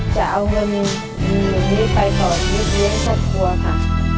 จะเอาเงินหนึ่งหนึ่งหนึ่งไปต่อชีวิตนี้ให้ชัดครัวค่ะ